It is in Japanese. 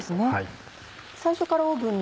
最初からオーブンに。